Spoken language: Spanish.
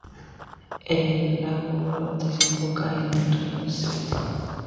El lago Hurón desemboca en el río St.